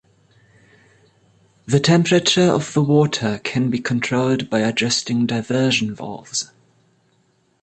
The temperature of the water can be controlled by adjusting diversion valves.